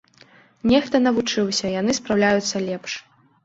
Нехта навучыўся, яны спраўляюцца лепш.